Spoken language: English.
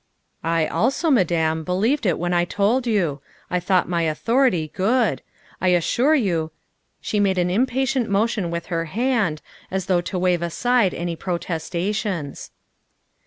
" I also, Madame, believed it when I told you. I thought my authority good. I assure you She made an impatient motion with her hand, as though to wave aside any protestations.